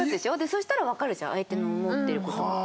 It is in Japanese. そしたらわかるじゃん相手の思ってる事。